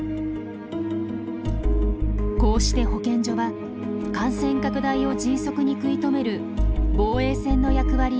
こうして保健所は感染拡大を迅速に食い止める防衛線の役割を果たしていたのです。